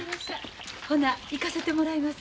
ほな行かせてもらいます。